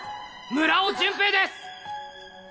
村尾潤平です！